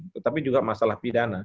tetapi juga masalah pidana